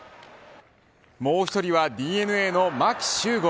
もう１人は、ＤｅＮＡの牧秀悟。